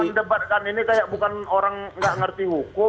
mendebatkan ini kayak bukan orang nggak ngerti hukum